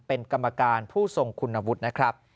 เป็นกรรมการผู้ทรงคุณวุฒินะครับ